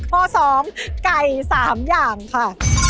ข้อสอบไก่สามอย่างค่ะ